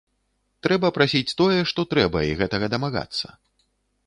Трэба прасіць тое, што трэба і гэтага дамагацца.